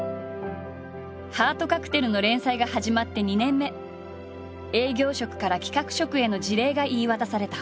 「ハートカクテル」の連載が始まって２年目営業職から企画職への辞令が言い渡された。